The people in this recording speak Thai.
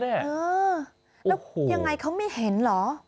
เออแล้วยังไงเขาไม่เห็นเหรอ